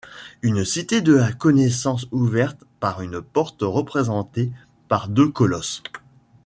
Une cité de la connaissance ouverte par une porte représentée par deux colosses.